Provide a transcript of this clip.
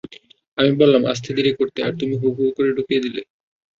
আমি বললাম আস্তে ধীরে করতে আর তুমি হুরহুর করে ঢুকিয়ে দিলে?